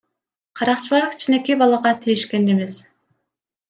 Каракчылар кичинекей балага тийишкен эмес.